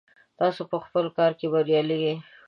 تاسو په خپل کار کې بریالي یئ.